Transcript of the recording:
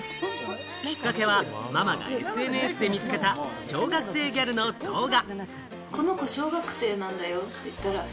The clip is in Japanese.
きっかけはママがＳＮＳで見つけた小学生ギャルの動画。